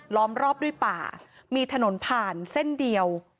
มรอบด้วยป่ามีถนนผ่านเส้นเดียว